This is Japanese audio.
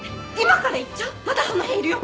まだその辺いるよ！